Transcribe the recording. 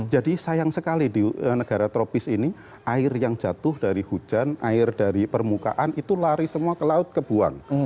jadi sayang sekali di negara tropis ini air yang jatuh dari hujan air dari permukaan itu lari semua ke laut kebuang